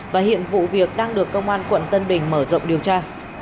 và hiện vụ việc đang được công an quận tân bình mở rộng điều tra